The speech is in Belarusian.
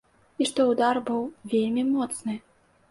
І што ўдар быў вельмі моцны.